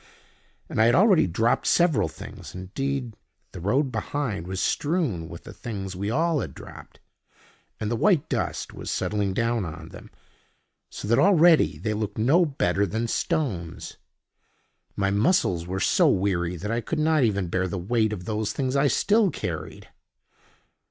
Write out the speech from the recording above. And I had already dropped several things—indeed, the road behind was strewn with the things we all had dropped; and the white dust was settling down on them, so that already they looked no better than stones. My muscles were so weary that I could not even bear the weight of those things I still carried.